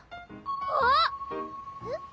あぁ！えっ？